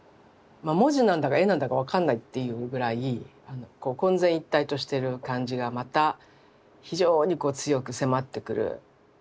文字なんだか絵なんだか分かんないっていうぐらい混然一体としてる感じがまた非常にこう強く迫ってくる。